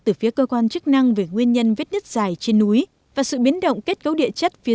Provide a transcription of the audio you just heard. từ phía cơ quan chức năng về nguyên nhân vết nứt dài trên núi và sự biến động kết cấu địa chất phía